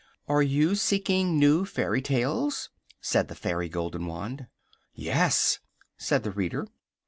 "Are you still seeking new fairy tales?" said the Fairy Goldenwand. "Yes," said the reader.